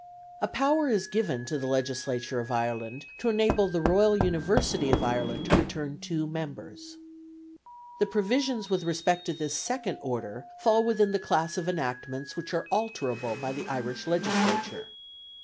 A power is given to the Legislature of Ireland to enable the Royal University of Ireland to return two members. The provisions with respect to this second order fall within the class of enactments which are alterable by the Irish Legislature.